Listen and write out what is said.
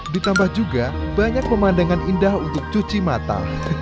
ditambah juga banyak pemandangan indah untuk cuci mata